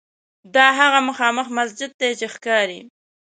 دا هغه مخامخ مسجد دی چې ښکاري.